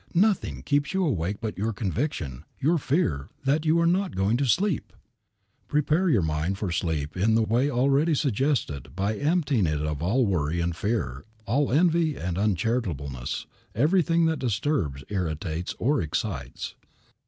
Nothing keeps you awake but your conviction, your fear, that you are not going to sleep." Prepare your mind for sleep in the way already suggested by emptying it of all worry and fear, all envy and uncharitableness, everything that disturbs, irritates, or excites.